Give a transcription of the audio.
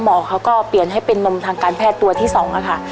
เขาก็เปลี่ยนให้เป็นนมทางการแพทย์ตัวที่๒ค่ะ